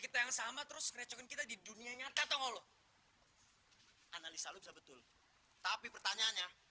kita yang sama terus ngerecokin kita di dunia nyata kalau analisa lu bisa betul tapi pertanyaannya